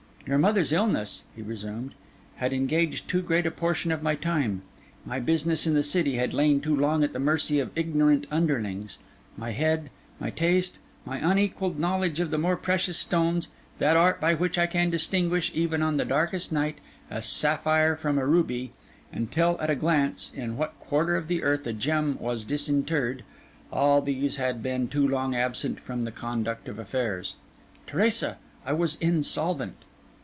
'Your mother's illness,' he resumed, 'had engaged too great a portion of my time; my business in the city had lain too long at the mercy of ignorant underlings; my head, my taste, my unequalled knowledge of the more precious stones, that art by which I can distinguish, even on the darkest night, a sapphire from a ruby, and tell at a glance in what quarter of the earth a gem was disinterred—all these had been too long absent from the conduct of affairs. Teresa, I was insolvent.